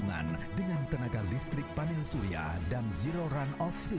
street peribadi diri beri segala janji